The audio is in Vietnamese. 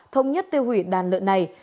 thông nhất tiêu hủy đàn lợn này